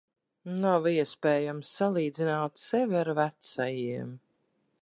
Nav iespējams salīdzināt sevi ar vecajiem.